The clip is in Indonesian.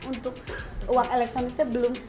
untuk uang elektronik itu belum